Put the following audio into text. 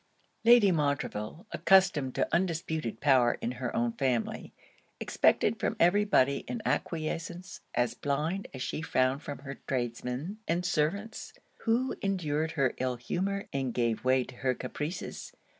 Lady Montreville, accustomed to undisputed power in her own family, expected from every body an acquiescence as blind as she found from her tradesmen and servants, who endured her ill humour and gave way to her caprices.